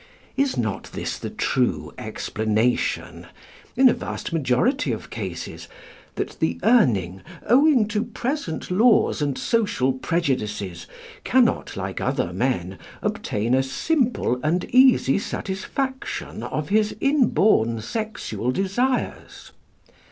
Is not this the true explanation, in a vast majority of cases, that the Urning, owing to present laws and social prejudices, cannot like other men obtain a simple and easy satisfaction of his inborn sexual desires?